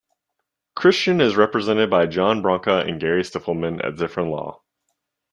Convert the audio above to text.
Kristian is represented by John Branca and Gary Stiffelman at ZiffrenLaw.